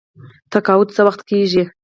تقاعد څه وخت کیږي؟